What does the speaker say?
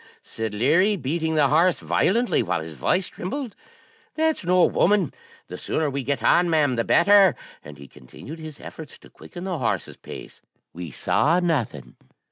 said Leary, beating the horse violently, while his voice trembled, 'that's no woman; the sooner we get on, ma'am, the better;' and he continued his efforts to quicken the horse's pace. We saw nothing.